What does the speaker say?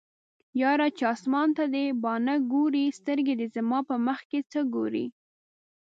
یاره چې اسمان ته دې باڼه ګوري سترګې دې زما په مخکې څه ګوري